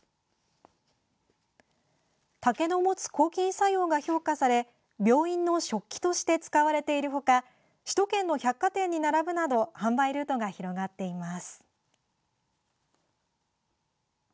竹の持つ抗菌作用が評価され病院の食器として使われているほか首都圏の百貨店に並ぶなど販売ルートが広がっています。